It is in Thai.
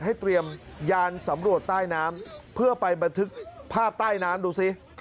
เตรียมยานสำรวจใต้น้ำเพื่อไปบันทึกภาพใต้น้ำดูสิ